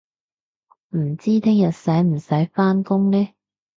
唔知聽日使唔使返工呢